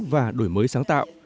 và đổi mới sáng tạo